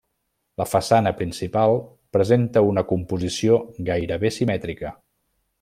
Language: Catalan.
La façana principal presenta una composició gairebé simètrica.